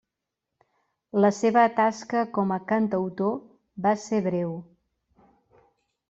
La seva tasca com a cantautor va ser breu.